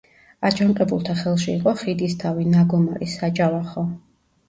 აჯანყებულთა ხელში იყო ხიდისთავი, ნაგომარი, საჯავახო.